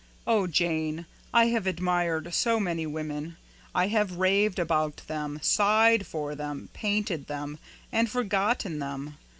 Oh, Jane! I have admired so many women. I have raved about them, sighed for them, painted them, and forgotten them.